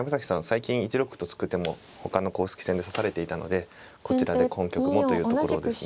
最近１六歩と突く手もほかの公式戦で指されていたのでこちらで本局もというところですね。